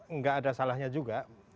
enggak ada salahnya juga